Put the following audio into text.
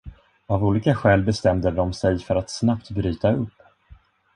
Av olika skäl bestämde de sig för att snabbt bryta upp.